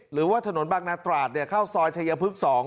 หรือว่าถนนบางนาตราดเข้าซอยชายพึก๒